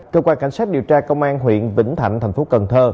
cơ quan cảnh sát điều tra công an huyện vĩnh thạnh tp cn